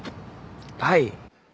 はい。